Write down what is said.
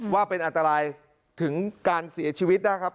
ว่าเป็นอันตรายถึงการเสียชีวิตนะครับ